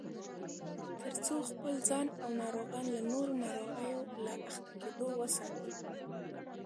ترڅو خپل ځان او ناروغان له نورو ناروغیو له اخته کېدو وساتي